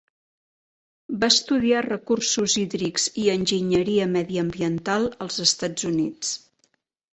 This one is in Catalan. Va estudiar Recursos Hídrics i Enginyeria Mediambiental als Estats Units.